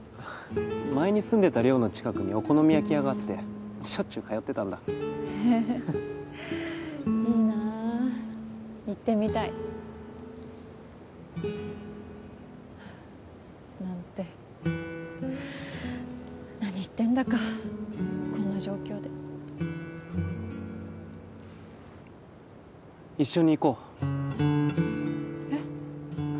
前に住んでた寮の近くにお好み焼き屋があってしょっちゅう通ってたんだへえいいな行ってみたいなんて何言ってんだかこんな状況で一緒に行こうえっ？